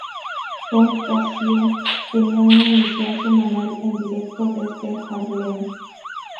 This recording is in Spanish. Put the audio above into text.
Count Basie tenía una emisión semanal en directo desde Harlem.